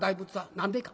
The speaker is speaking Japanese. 何でか。